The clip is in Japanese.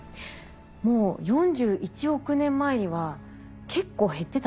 もう４１億年前には結構減ってたんですね。